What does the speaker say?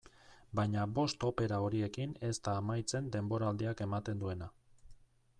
Baina bost opera horiekin ez da amaitzen denboraldiak ematen duena.